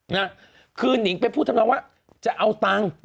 นะคือนิงไปพูดทำนองว่าจะเอาตังค์